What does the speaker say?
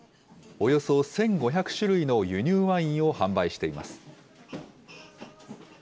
およそ１５００種類の輸入ワインを販売しています。